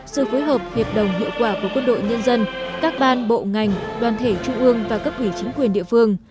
sự phối hợp hiệp đồng hiệu quả của quân đội nhân dân các ban bộ ngành đoàn thể trung ương và cấp ủy chính quyền địa phương